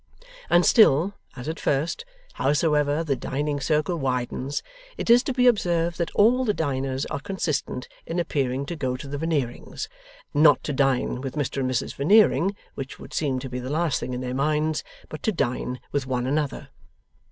And still, as at first, howsoever, the dining circle widens, it is to be observed that all the diners are consistent in appearing to go to the Veneerings, not to dine with Mr and Mrs Veneering (which would seem to be the last thing in their minds), but to dine with one another.